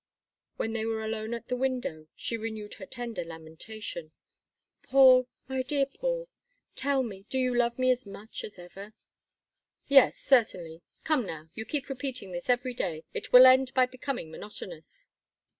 When they were alone at the window, she renewed her tender lamentation: "Paul, my dear Paul, tell me, do you love me as much as ever?" "Yes, certainly! Come now, you keep repeating this every day it will end by becoming monotonous."